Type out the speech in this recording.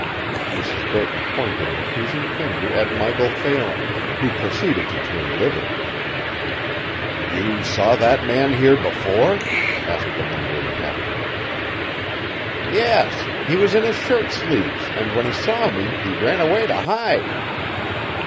Mrs. Burton pointed an accusing finger at Michael Phelan, who proceeded to turn livid. "You saw that man here before?" asked the wondering captain. "Yes. He was in his shirt sleeves and when he saw me he ran away to hide."